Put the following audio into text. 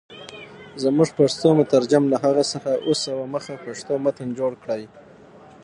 زموږ پښتو مترجم له هغه څخه اووه سوه مخه پښتو متن جوړ کړی.